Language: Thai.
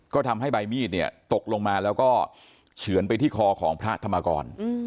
ก็ทำให้ใบมีดเนี่ยตกลงมาแล้วก็เฉือนไปที่คอของพระธรรมกร